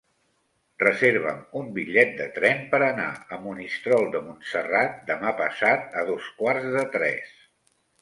Reserva'm un bitllet de tren per anar a Monistrol de Montserrat demà passat a dos quarts de tres.